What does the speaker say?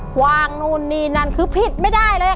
ความนู่นนี่นั่นคือผิดไม่ได้เลย